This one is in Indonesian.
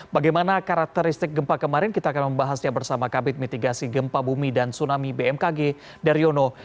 bagaimana karakteristik gempa kemarin kita akan membahasnya bersama kabit mitigasi gempa bumi dan tsunami bmkg daryono